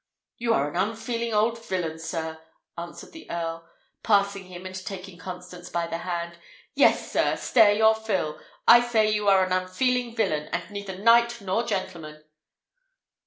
"You are an unfeeling old villain, sir!" answered the earl, passing him and taking Constance by the hand. "Yes, sir! stare your fill! I say you are an unfeeling villain, and neither knight nor gentleman."